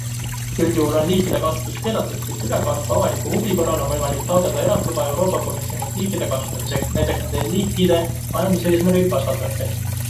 Üldjuhul on liikide kasutus keelatud, kuid ülekaaluka avaliku huvi korral on võimalik taotleda erandluba Euroopa Komisjonilt liikide kasutamiseks, näiteks nende liikide majanduseesmärgil kasvatamiseks.